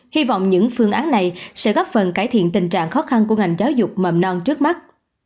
hy vọng những phương án này sẽ góp phần cải thiện tình trạng khó khăn của ngành giáo dục mầm non trước mắt